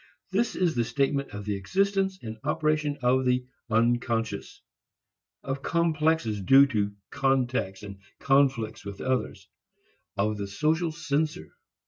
This is the statement of the existence and operation of the "unconscious," of complexes due to contacts and conflicts with others, of the social censor.